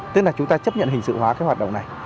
tức là chúng ta chấp nhận hình sự hóa cái hoạt động này